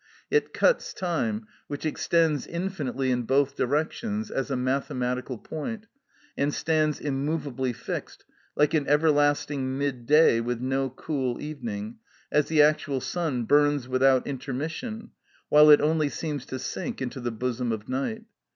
It cuts time, which extends infinitely in both directions, as a mathematical point, and stands immovably fixed, like an everlasting mid day with no cool evening, as the actual sun burns without intermission, while it only seems to sink into the bosom of night.